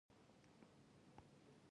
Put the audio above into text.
شېخ قاسم د شېخ سلطان کوسی دﺉ.